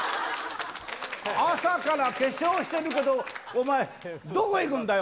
朝から化粧してるけど、お前、どこ行くんだよ。